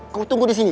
kukutunggu di sini ya